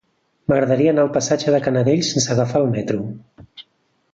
M'agradaria anar al passatge de Canadell sense agafar el metro.